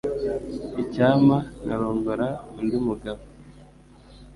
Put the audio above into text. Icyampa nkarongora undi mugabo.